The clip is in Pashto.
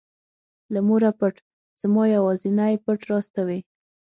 له موره پټ زما یوازینى پټ راز ته وې.